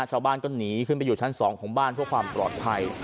ชาวบ้านก็หนีขึ้นไปอยู่ชั้น๒ของบ้านเพื่อความปลอดภัย